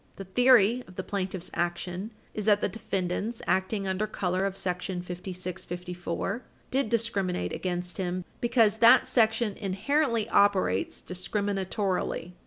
The theory of the plaintiff's action is that the defendants, acting under color of § 5654, did discriminate against him because that Section inherently operates discriminatorily.